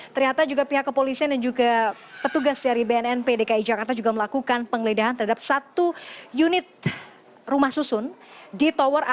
ternyata juga pihak kepolisian dan juga petugas dari bnnp dki jakarta juga melakukan penggeledahan terhadap satu unit rumah susun di tower a